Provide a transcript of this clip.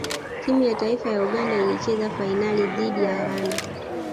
timu ya taifa ya uganda ilicheza fainali dhidi ya ghana